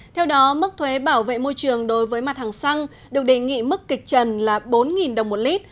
theo đó mức thuế bảo vệ môi trường đối với mặt hàng xăng được đề nghị mức kịch trần là bốn đồng một lít